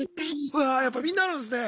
うわやっぱみんなあるんすね。